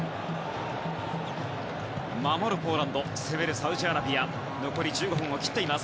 守るポーランド攻めるサウジアラビア。